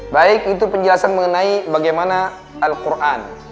baik itu penjelasan mengenai bagaimana alquran